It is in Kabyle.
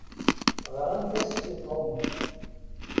Ɣṛant-as i Tom.